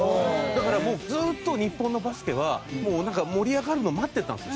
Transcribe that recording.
だからもうずっと日本のバスケは盛り上がるのを待ってたんですよ。